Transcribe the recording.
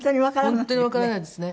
本当にわからないですね。